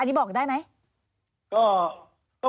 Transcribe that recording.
อันนี้ถูกต้องไหมฮะ